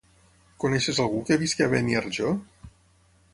Coneixes algú que visqui a Beniarjó?